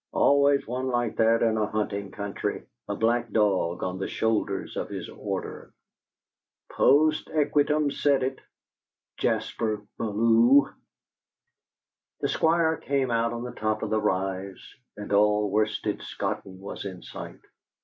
"Always one like that in a hunting country!" A black dog on the shoulders of his order. 'Post equitem sedet' Jaspar Bellew! The Squire came out on the top of the rise, and all Worsted Scotton was in sight.